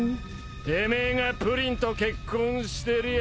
てめえがプリンと結婚してりゃ